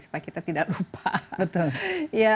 supaya kita tidak lupa